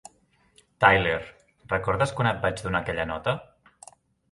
Tyler, recordes quan et vaig donar aquella nota?